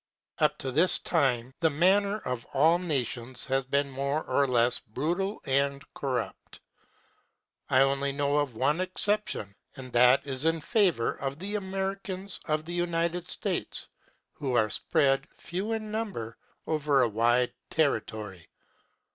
Up to this time the manners of all nations have been more or less brutal and corrupt. I only know of one exception, and that is in favour of the Americans of the United States, who are spread, few in number, over a wide territory.